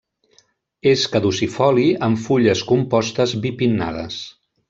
És caducifoli amb fulles compostes bipinnades.